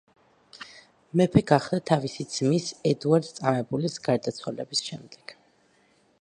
მეფე გახდა თავისი ძმის ედუარდ წამებულის გარდაცვალების შემდეგ.